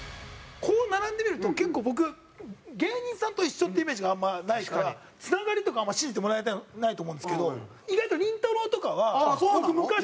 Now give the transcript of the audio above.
こう並んでみると結構僕芸人さんと一緒ってイメージがあんまりないからつながりとか信じてもらえないと思うんですけど意外とりんたろー。とかは僕昔からね知り合いで。